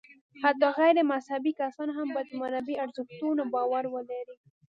حتی غیر مذهبي کسان هم باید پر معنوي ارزښتونو باور ولري.